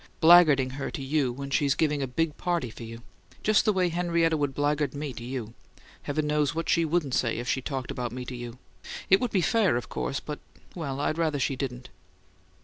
"Blackguarding her to you when she's giving a big party for you! Just the way Henrietta would blackguard me to you heaven knows what she WOULDN'T say if she talked about me to you! It would be fair, of course, but well, I'd rather she didn't!"